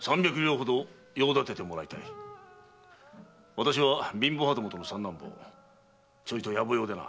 私は貧乏旗本の三男坊ちょいと野暮用でな。